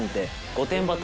御殿場倒